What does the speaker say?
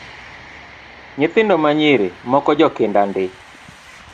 Nyithindo manyiri moko jokinda ndi